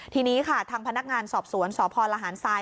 ทีนี้ค่ะทางพนักงานสอบสวนสพลหารทราย